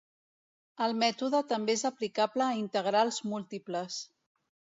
El mètode també és aplicable a integrals múltiples.